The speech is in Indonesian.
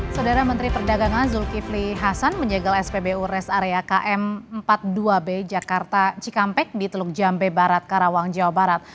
saudara menteri perdagangan zulkifli hasan menyegel spbu rest area km empat puluh dua b jakarta cikampek di teluk jambe barat karawang jawa barat